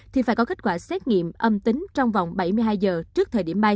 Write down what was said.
thì phải có kết quả xét nghiệm âm tính trong vòng bảy mươi hai giờ trước thời điểm bay